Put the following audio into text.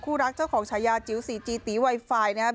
รักเจ้าของฉายาจิ๋วสีจีตีไวไฟนะครับ